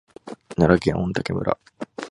奈良県御杖村